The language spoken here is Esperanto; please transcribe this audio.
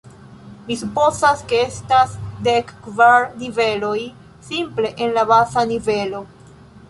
Mi supozas ke estas dek kvar niveloj simple en la baza nivelo.